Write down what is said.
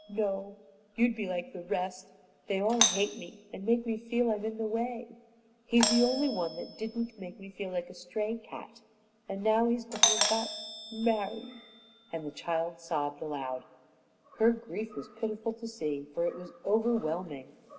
"No, you'd be like the rest. They all hate me and make me feel I'm in the way. He's the only one that didn't make me feel like a stray cat, and now he's gone and got married," and the child sobbed aloud. Her grief was pitiful to see, for it was overwhelming.